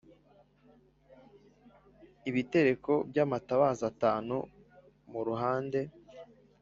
Ibitereko by amatabaza atanu mu ruhande